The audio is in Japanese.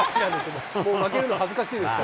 もう負けるの恥ずかしいですから。